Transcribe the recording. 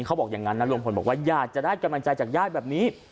เขาบอกอย่างนั้นนะลุงพลบอกว่าอยากจะได้กำลังใจจากญาติแบบนี้